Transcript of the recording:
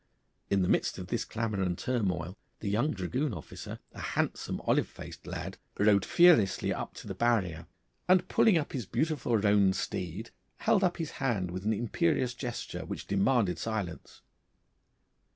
In the midst of this clamour and turmoil the young dragoon officer, a handsome, olive faced lad, rode fearlessly up to the barrier, and pulling up his beautiful roan steed, held up his hand with an imperious gesture which demanded silence.